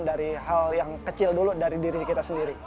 dari hal yang kecil dulu dari diri kita sendiri